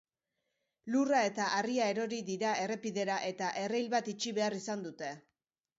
Lurra eta harria erori dira errepidera eta erreil bat itxi behar izan dute.